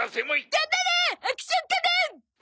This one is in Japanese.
頑張れアクション仮面！